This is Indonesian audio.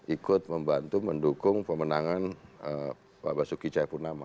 ikut membantu mendukung pemenangan pak basuki cahayapurnama